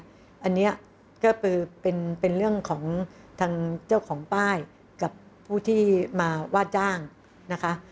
อันนี้ก็คือเป็นเรื่องของทางเจ้าของป้ายกับผู้ที่มาว่าจ้างนะคะ